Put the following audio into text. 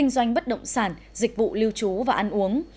doanh bất động sản dịch vụ lưu trú và ăn uống